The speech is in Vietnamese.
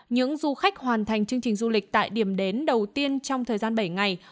những du khách hoàn thành chương trình du lịch tại điểm đến đầu tiên trong thời gian bảy ngày